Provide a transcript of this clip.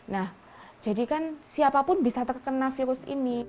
nah jadi kan siapapun bisa terkena virus ini